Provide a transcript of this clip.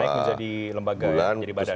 naik menjadi lembaga menjadi badan